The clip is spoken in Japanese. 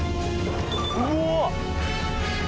うわ！？